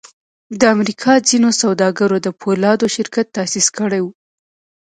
د امریکا ځینو سوداګرو د پولادو شرکت تاسیس کړی و